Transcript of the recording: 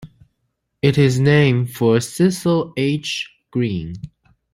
It is named for Cecil H. Green.